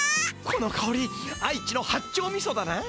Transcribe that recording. このかおり愛知の八丁みそだな！